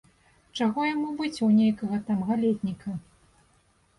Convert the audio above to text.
Чаго яму быць у нейкага там галетніка?